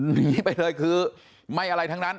หนีไปเลยคือไม่อะไรทั้งนั้น